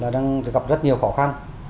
đang gặp rất nhiều khó khăn